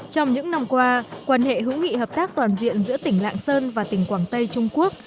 trong những năm qua quan hệ hữu nghị hợp tác toàn diện giữa tỉnh lạng sơn và tỉnh quảng tây trung quốc